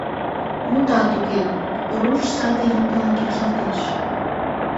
Мутат уке, руш саде имньылан кержалтеш.